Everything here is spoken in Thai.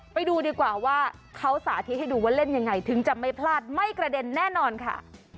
ไปดูดีกว่าว่าเขาสาธิตให้ดูว่าเล่นยังไงถึงจะไม่พลาดไม่กระเด็นแน่นอนค่ะ